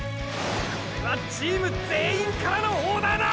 これはチーム全員からのオーダーだ！！